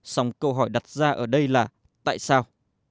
song câu hỏi đặt ra ở đây là tại sao